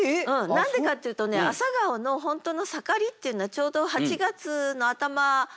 なんでかっていうとね朝顔の本当の盛りっていうのはちょうど８月の頭ぐらい。